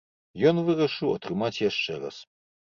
Ён вырашыў атрымаць яшчэ раз.